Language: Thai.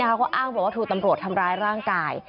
เขาก็อ้างบอกว่าถูกตำรวจทำร้ายร่างกาย